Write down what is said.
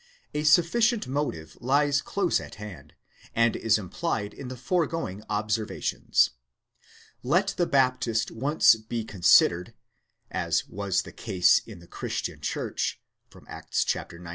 A sufficient motive lies close at hand, and is implied in the foregoing observations. Let the Baptist once be considered, as was the case in the Christian Church (Acts xix.